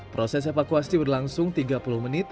proses evakuasi berlangsung tiga puluh menit